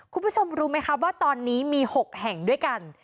คุณผู้ชมรู้ไหมคะว่าตอนนี้มี๖แห่งด้วยกัน